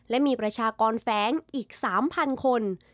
และมีประชากรแฟ้งอีก๓๐๐คน